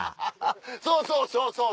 そうそうそうそう。